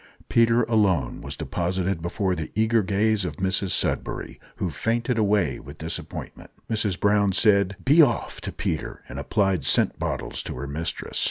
Peter alone was deposited before the eager gaze of Mrs Sudberry, who fainted away with disappointment. Mrs Brown said "be off" to Peter, and applied scent bottles to her mistress.